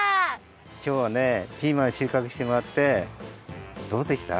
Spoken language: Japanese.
きょうはねピーマンしゅうかくしてもらってどうでした？